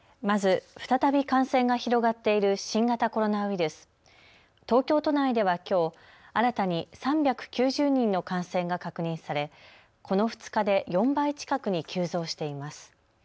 まず、再び感染が広がっている新型コロナウイルス、東京都内ではきょう新たに３９０人の感染が確認されこの２日で４倍近くに急増しています。